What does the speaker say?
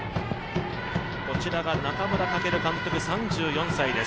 こちらが中村翔監督３４歳です。